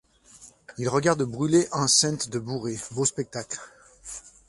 Ils regardent brûler un cent de bourrées ; beau spectacle!